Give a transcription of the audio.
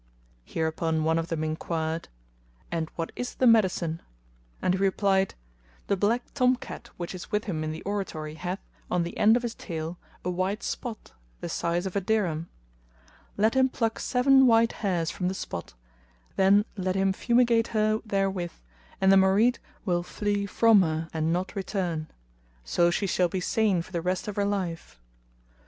Hereupon one of them inquired, "And what is the medicine?" and he replied, "The black tom cat which is with him in the oratory hath, on the end of his tail, a white spot, the size of a dirham; let him pluck seven white hairs from the spot, then let him fumigate her therewith and the Marid will flee from her and not return; so she shall be sane for the rest of her life."